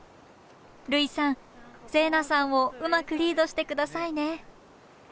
類さん星南さんをうまくリードして下さいね。